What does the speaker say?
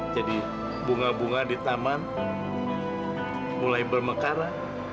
jadi bunga bunga di taman mulai bermekara